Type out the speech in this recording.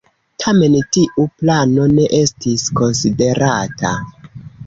Tamen tiu plano ne estis konsiderata.